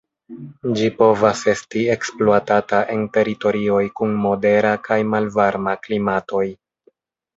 Ĝi povas esti ekspluatata en teritorioj kun modera kaj malvarma klimatoj.